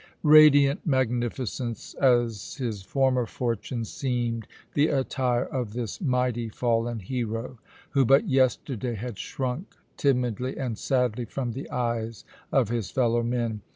Radiant magnificent as his former fortunes seemed the attire of this mighty fallen hero, who but yesterday had shrunk timidly and sadly from the eyes of his fellow men.